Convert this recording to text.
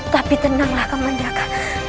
tapi tenanglah kemandaka